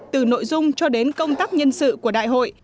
từ nội dung cho đến công tác nhân sự của đại hội